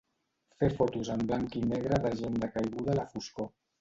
Fer fotos en blanc i negre de gent decaiguda a la foscor.